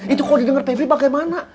itu kalau didengar febri bagaimana